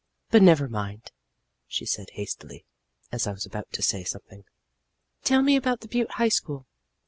But, never mind," she added hastily, as I was about to say something, "tell me about the Butte High School."